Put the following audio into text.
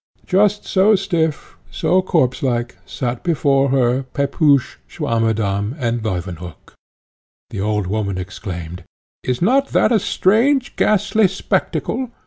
Just so stiff, so corpse like sate before her Pepusch, Swammerdamm, and Leuwenhock. The old woman exclaimed, "Is not that a strange, ghastly spectacle?